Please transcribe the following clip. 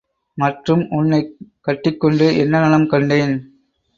மற்றும், உன்னைக் கட்டிக்கொண்டு என்ன நலம் கண்டேன்?